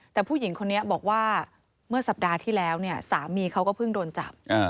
แต่ผู้หญิงคนนี้บอกว่าเมื่อสัปดาห์ที่แล้วเนี่ยสามีเขาก็เพิ่งโดนจับ